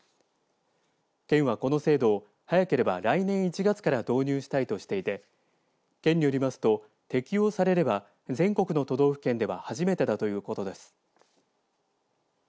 県は、この制度を早ければ来年１月から導入したいとしていて県によりますと、適用されれば全国の都道府県では初めてだということです。